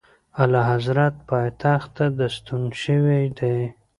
اعلیحضرت پایتخت ته ستون شوی دی.